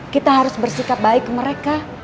kita harus bersikap baik ke mereka